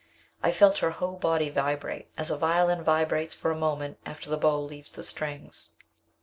I felt her whole body vibrate, as a violin vibrates for a moment after the bow leaves the strings.